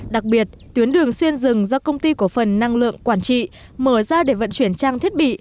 đặc biệt tuyến đường xuyên rừng do công ty cổ phần năng lượng quản trị mở ra để vận chuyển trang thiết bị